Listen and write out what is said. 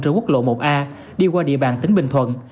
trên quốc lộ một a đi qua địa bàn tỉnh bình thuận